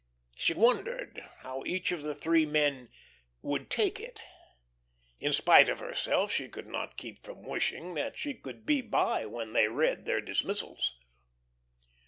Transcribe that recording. She wondered how each of the three men "would take it." In spite of herself she could not keep from wishing that she could be by when they read their dismissals.